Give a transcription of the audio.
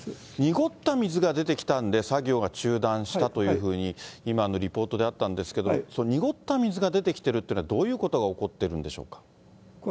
濁った水が出てきたんで、作業が中断したというふうに、今のリポートであったんですけれども、その濁った水が出てきているというのは、どういうことが起こってるんでしょうか。